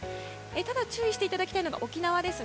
ただ、注意していただきたいのが沖縄です。